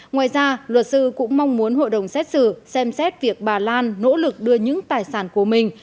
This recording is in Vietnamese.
ngoài ra luật sư cũng mong muốn hội đồng xét xử xem xét việc bà lan nỗ lực đưa những tài sản của mình